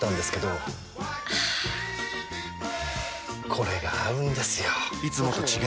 これが合うんですよ！